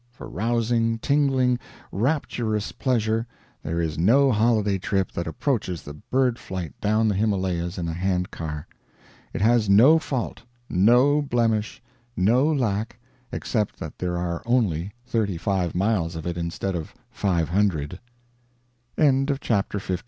For rousing, tingling, rapturous pleasure there is no holiday trip that approaches the bird flight down the Himalayas in a hand car. It has no fault, no blemish, no lack, except that there are only thirty five miles of it instead of five hundred. CHAPTER LVII.